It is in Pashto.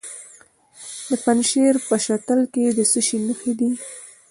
د پنجشیر په شتل کې د څه شي نښې دي؟